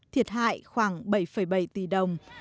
thiệt hại khoảng bảy bảy tỷ đồng